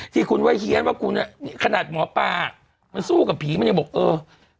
ที่คุณว่าเฮียนว่าคุณขนาดหมอปลามันสู้กับผีมันยังบอกเออ